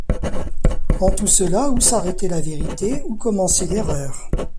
En tout cela, où s’arrêtait la vérité, où commençait l’erreur?